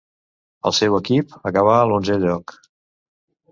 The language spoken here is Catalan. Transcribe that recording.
El seu equip acabà a l'onzè lloc.